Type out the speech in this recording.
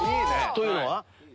「というのは？」